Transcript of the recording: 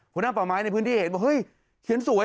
หน้าป่าไม้ในพื้นที่เห็นบอกเฮ้ยเขียนสวย